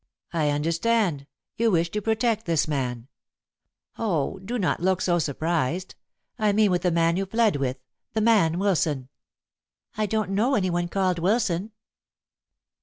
"I understand. You wish to protect this man. Oh, do not look so surprised. I mean with the man you fled with the man Wilson." "I don't know any one called Wilson."